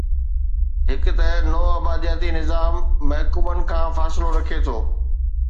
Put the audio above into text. هڪ ته نوآبادياتي نظام محکومن کان فاصلو رکي ٿو.